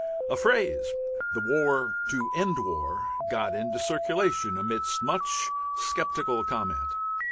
A phrase, "The War to end War," got into circulation, amidst much sceptical comment.